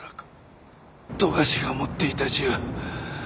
富樫が持っていた銃。